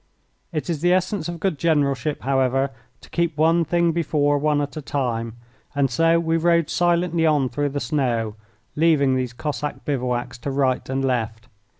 It is the essence of good generalship, however, to keep one thing before one at a time, and so we rode silently on through the snow, leaving these Cossack bivouacs to right and left.